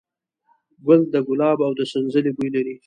ګل د ګلاب او د سنځلې بوی لري.